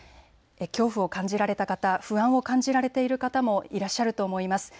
恐怖を感じられた方、不安を感じられている方もいらっしゃると思います。